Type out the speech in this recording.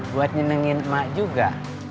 buat nyenengin emak juga